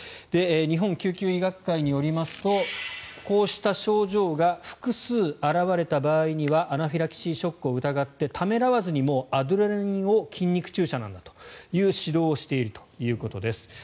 日本救急医学会によりますとこうした症状が複数表れた場合にはアナフィラキシーショックを疑って、ためらわずにアドレナリンを筋肉注射なんだという指導をしているということです。